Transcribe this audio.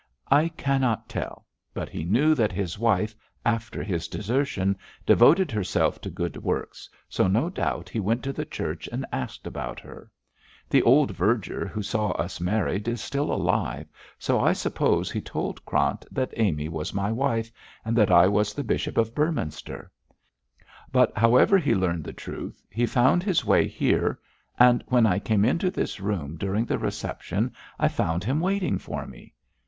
'I cannot tell; but he knew that his wife, after his desertion, devoted herself to good works, so no doubt he went to the church and asked about her. The old verger who saw us married is still alive, so I suppose he told Krant that Amy was my wife, and that I was the Bishop of Beorminster. But, however he learned the truth, he found his way here, and when I came into this room during the reception I found him waiting for me.'